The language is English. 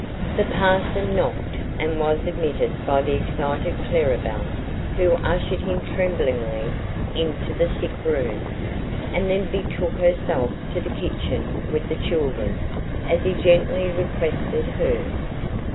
The parson knocked and was admitted by the excited Clara Belle, who ushered him tremblingly into the sickroom, and then betook herself to the kitchen with the children, as he gently requested her.